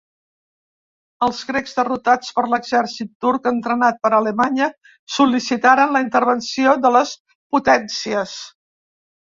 Els grecs, derrotats per l'exèrcit turc entrenat per Alemanya, sol·licitaren la intervenció de les potències.